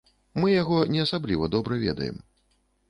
Мы яго не асабліва добра ведаем.